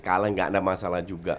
kaleng gak ada masalah juga